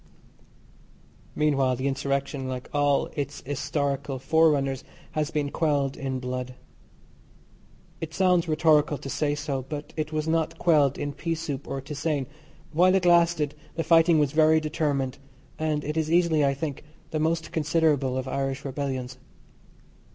Meanwhile the insurrection, like all its historical forerunners, has been quelled in blood. It sounds rhetorical to say so, but it was not quelled in peasoup or tisane. While it lasted the fighting was very determined, and it is easily, I think, the most considerable of Irish rebellions.